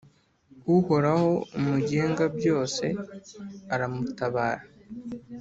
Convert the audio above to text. Uhoraho Umugengabyose aramutabara,